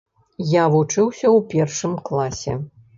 Я вучыўся ў першым класе.